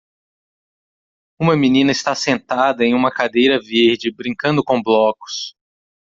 Uma menina está sentada em uma cadeira verde, brincando com blocos.